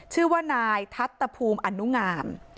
ชื่อว่านายทัศภูมิอนุงาม